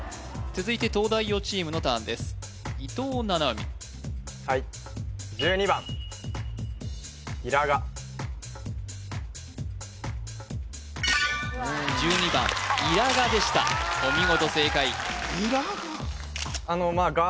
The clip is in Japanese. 続いて東大王チームのターンです伊藤七海はい１２番イラガでしたお見事正解イラガ？